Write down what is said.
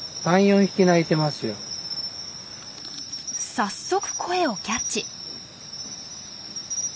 早速声をキャッチ。